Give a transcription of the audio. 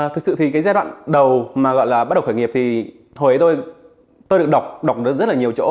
thực sự thì cái giai đoạn đầu mà gọi là bắt đầu khởi nghiệp thì hồi ấy tôi được đọc rất là nhiều chỗ